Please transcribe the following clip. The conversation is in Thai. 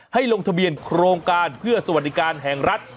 ลงทะเบียนโครงการเพื่อสวัสดิการแห่งรัฐ